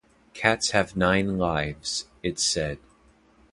Cats have nine lives, it's said.